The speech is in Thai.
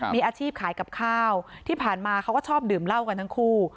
มีอาชีพขายกับข้าวที่ผ่านมาเขาก็ชอบดื่มเหล้ากันทั้งคู่